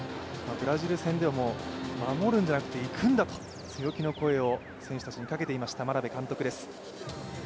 ブラジル戦でも守るんじゃなくて、いくんだという強気の声を選手たちにかけていました眞鍋監督です。